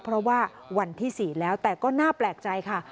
เพราะว่าวันที่๔แล้วแต่ก็น่าแปลกใจค่ะ